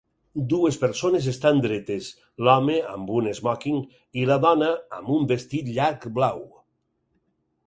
Dues persones estan dretes, l'home amb un esmòquing i la dona amb un vestit llarg blau.